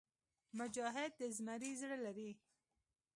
مجاهد د زمري زړه لري.